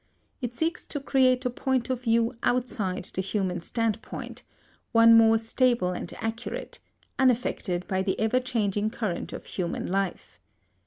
It seeks to create a point of view outside the human standpoint, one more stable and accurate, unaffected by the ever changing current of human life.